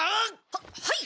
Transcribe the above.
ははい！